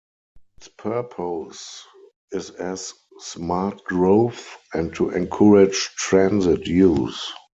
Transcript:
Its purpose is as smart growth and to encourage transit use.